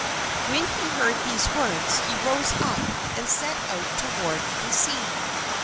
When he heard these words he rose up and set out toward the sea.